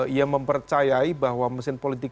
ia mempercayai bahwa mesin politik